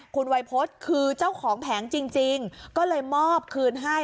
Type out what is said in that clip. คุณวัยพฤษคือเจ้าของแผงจริงก็เลยมอบคืนให้